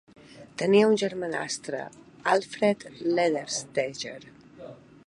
Tenia un germanastre, Alfred Ledersteger.